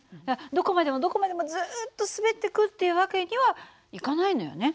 どこまでもどこまでもずっと滑っていくっていう訳にはいかないのよね。